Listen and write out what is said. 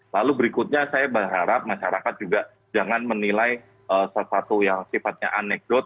lalu berikutnya saya berharap masyarakat juga jangan menilai sesuatu yang sifatnya anekdot